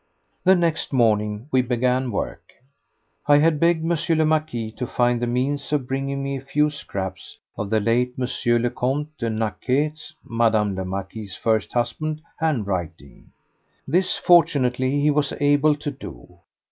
The next morning we began work. I had begged M. le Marquis to find the means of bringing me a few scraps of the late M. le Comte de Naquet's—Madame la Marquise's first husband—handwriting. This, fortunately, he was able to do.